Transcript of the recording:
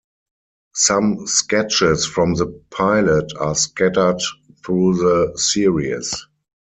Some sketches from the pilot are scattered through the series.